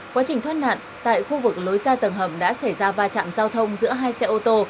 quá trình thoát nạn tại khu vực lối ra tầng hầm đã xảy ra va chạm giao thông giữa hai xe ô tô